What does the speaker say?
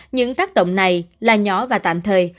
những tác động này là nhỏ và tạm thời